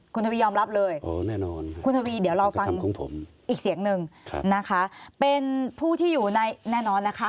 คุณทวียอมรับเลยคุณทวีเดี๋ยวเราฟังอีกเสียงหนึ่งนะคะเป็นผู้ที่อยู่ในแน่นอนนะคะ